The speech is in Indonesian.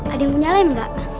ada yang punya lem gak